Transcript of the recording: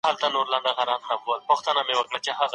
قلمي خط د زده کوونکو د تلپاتې بریالیتوب کیلي ده.